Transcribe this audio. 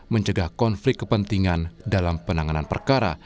mencegah konflik kepentingan dalam penanganan perkara